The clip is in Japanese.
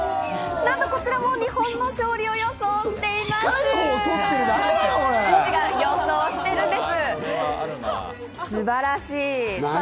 なんとこちらも日本の勝利を予想しています。